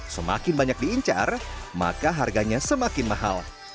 semakin banyak diincar maka harganya semakin mahal